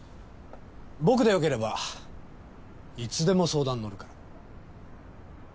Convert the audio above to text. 僕でよければいつでも相談乗るから。